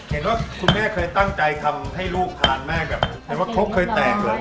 เห็นว่าคุณแม่เคยตั้งใจทำให้ลูกทานแม่แบบเห็นว่าครกเคยแตกเลย